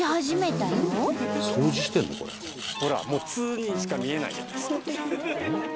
ほらもう「ツ」にしか見えないじゃないですか。